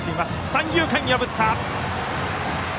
三遊間を破った。